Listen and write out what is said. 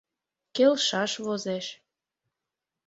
— Келшаш возеш.